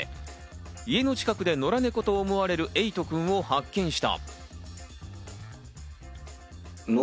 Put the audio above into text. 家の近くで野良ネコと思われるエイトくんを発見した。